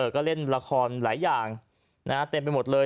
ก็เล่นละครหลายอย่างเต็มไปหมดเลย